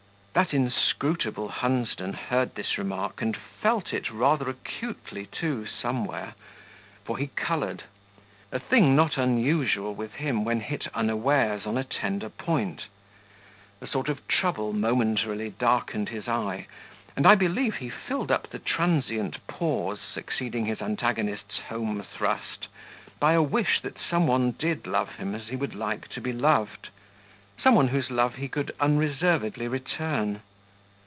That inscrutable Hunsden heard this remark and felt it rather acutely, too, somewhere; for he coloured a thing not unusual with him, when hit unawares on a tender point. A sort of trouble momentarily darkened his eye, and I believe he filled up the transient pause succeeding his antagonist's home thrust, by a wish that some one did love him as he would like to be loved some one whose love he could unreservedly return.